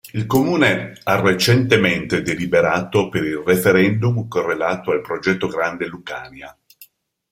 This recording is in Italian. Il comune ha recentemente deliberato per il referendum correlato al Progetto Grande Lucania.